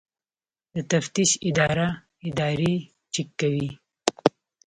د تفتیش اداره ادارې چک کوي